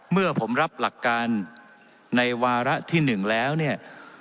เมื่อผมรับหลักการในวาระที่๑แล้วเนี่ย